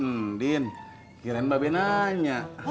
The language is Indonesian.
hmm din kirain mba be nanya